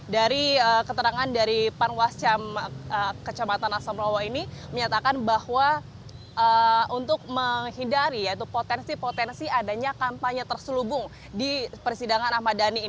dari keterangan dari panwas kecamatan asam lawa ini menyatakan bahwa untuk menghindari yaitu potensi potensi adanya kampanye terselubung di persidangan ahmad dhani